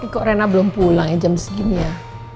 kok rena belum pulang ya jam segini ya